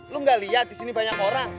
lu gak liat disini banyak orang